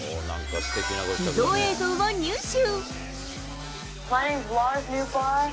秘蔵映像を入手。